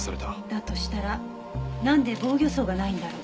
だとしたらなんで防御創がないんだろう？